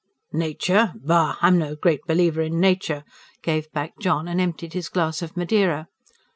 "Nature? Bah! I am no great believer in nature," gave back John, and emptied his glass of madeira.